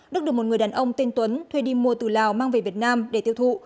đức được một người đàn ông tên tuấn thuê đi mua từ lào mang về việt nam để tiêu thụ